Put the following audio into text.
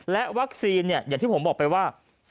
และวัคซีนอย่างที่ผมบอกไปว่า